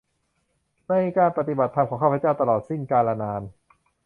ในการปฏิบัติธรรมของข้าพเจ้าตลอดสิ้นกาลนาน